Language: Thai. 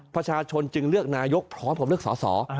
ประชาชนจึงเลือกนายกพร้อมกับเลือกสอสอ